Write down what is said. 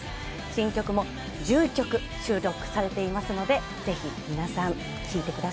新曲も１１曲収録されていますのでぜひ皆さん聴いてください。